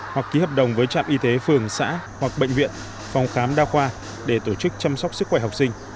hoặc ký hợp đồng với trạm y tế phường xã hoặc bệnh viện phòng khám đa khoa để tổ chức chăm sóc sức khỏe học sinh